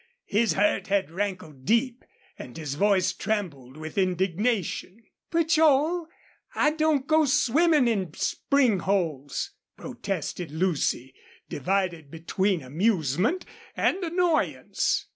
His hurt had rankled deep and his voice trembled with indignation. "But, Joel, I don't go swimming in spring holes," protested Lucy, divided between amusement and annoyance.